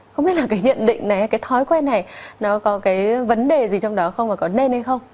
không biết là cái nhận định này cái thói quen này nó có cái vấn đề gì trong đó không và có nên hay không